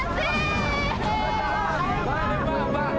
tidak tidak mau mati